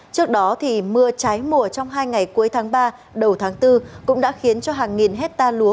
trước đó mưa trái mùa trong hai ngày cuối tháng ba đầu tháng bốn cũng đã khiến cho hàng nghìn hecta lúa